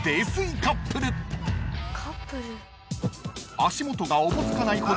［足元がおぼつかないほど］